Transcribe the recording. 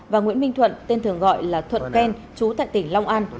và nguyễn minh thuận tên thường gọi là thuận ken chú tại tỉnh long an